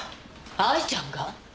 藍ちゃんが？